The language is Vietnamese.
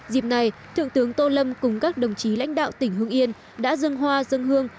dịp này thượng tướng tô lâm cùng các đồng chí lãnh đạo tỉnh hương yên đã dân hoa dân hương